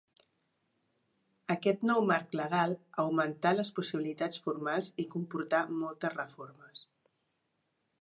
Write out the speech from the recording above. Aquest nou marc legal augmentà les possibilitats formals i comportà moltes reformes.